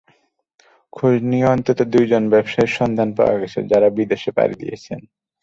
খোঁজ নিয়ে অন্তত দুজন ব্যবসায়ীর সন্ধান পাওয়া গেছে, যাঁরা বিদেশে পাড়ি দিয়েছেন।